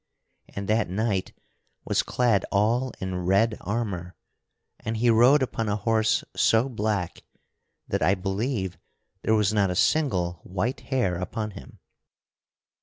And that knight was clad all in red armor, and he rode upon a horse so black that I believe there was not a single white hair upon him.